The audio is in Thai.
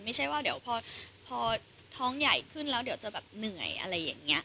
ไม่ใช่ว่าเดี๋ยวพอท้องใหญ่ขึ้นแล้วเดี๋ยวจะแบบเหนื่อยอะไรอย่างนี้